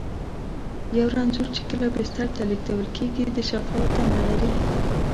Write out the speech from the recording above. یو رنځور چې کله بستر ته لېږدول کېږي، د شفا تمه لري.